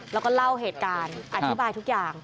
แล้วก็เล่าเหตุการณ์อธิบายทุกอย่าง